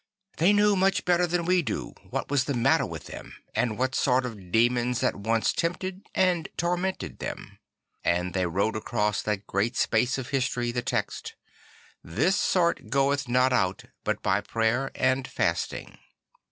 They knew much better than we do what was the matter with them and what sort of demons at once tempted and tormented them; and they wrote across that great space of history the text: II This sort goeth not out but by prayer and fasting."